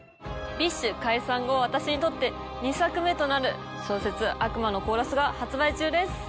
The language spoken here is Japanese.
ＢｉＳＨ解散後私にとって２作目となる小説『悪魔のコーラス』が発売中です。